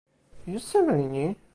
ijo seme li ni?